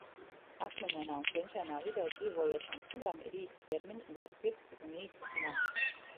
Akmeņainā un klinšainā vidē dzīvojošām sugām ir īsi ķermeņi, gari pirksti un īsi nagi.